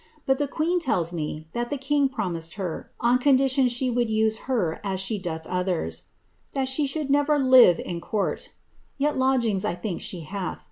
But the queen tells me that the king promised her, on condition .she would use her as she doth others, * that she should never live in court,' yet lodgings I think she hath.